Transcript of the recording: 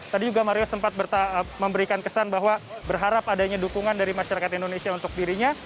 tadi juga mario sempat memberikan kesan bahwa berharap adanya dukungan dari masyarakat indonesia untuk dirinya